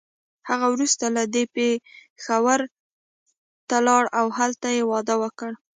هغه وروسته له دې پېښور ته لاړه او هلته يې واده وکړ.